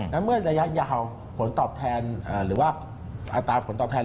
แล้วเมื่อระยะยาวอัตราผลตอบแทน